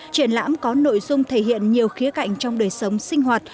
triển lãm có nội dung thể hiện nhiều khía cạnh trong đời sống sinh hoạt